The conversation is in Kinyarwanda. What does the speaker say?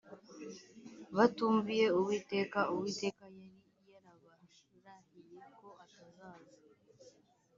batumviye uwiteka uwiteka yari yarabarahiye ko atazaza